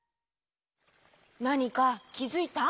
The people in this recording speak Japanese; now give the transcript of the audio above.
なにかきづいた？